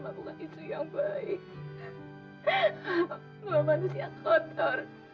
ma ini cuma perasaan pata